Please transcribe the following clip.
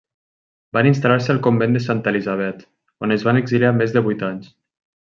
Van instal·lar-se al convent de Santa Elisabet, on es van exiliar més de vuit anys.